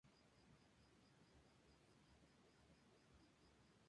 Los rusos establecieron el Fuerte Ross al norte de California.